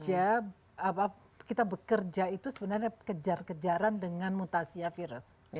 kita itu bekerja kita bekerja itu sebenarnya kejar kejaran dengan mutasi virus